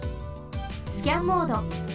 スキャンモード。